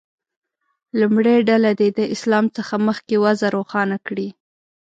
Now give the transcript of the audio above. لومړۍ ډله دې د اسلام څخه مخکې وضع روښانه کړي.